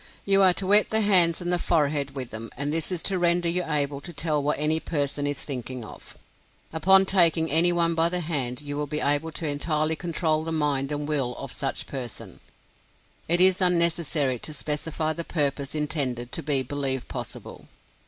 You are to wet the hands and the forehead with them, and this is to render you able to tell what any person is thinking of; upon taking any one by the hand, you will be able to entirely control the mind and will of such person (it is unnecessary to specify the purpose intended to be believed possible).